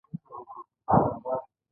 متقابل درناوی او فکري روداري پکې وي.